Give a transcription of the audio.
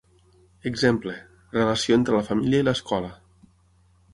Exemple: relació entre la família i l'escola.